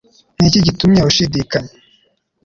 ni iki gitumye ushidikanya?»